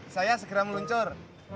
saya segera meluncur